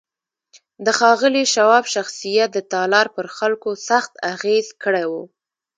د ښاغلي شواب شخصیت د تالار پر خلکو سخت اغېز کړی و